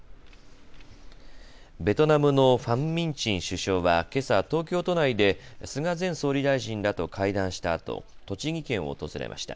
ベトナムのファム・ミン・チン首相はけさ東京都内で菅前総理大臣らと会談したあと、栃木県を訪れました。